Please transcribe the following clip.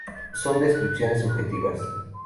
Son descripciones subjetivas.